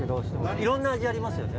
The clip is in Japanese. いろんな味ありますよね。